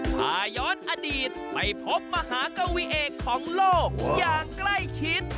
พาย้อนอดีตไปพบมหากวีเอกของโลกอย่างใกล้ชิด